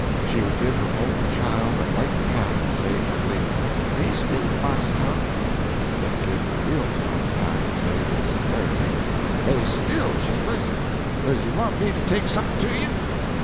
She would give her own child a light pat and say humbly, "Lay still, Marse Tom," then give the real Tom a pat and say with severity, "Lay still, Chambers! does you want me to take somep'n' to you?"